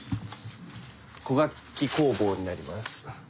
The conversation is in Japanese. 古楽器工房になります。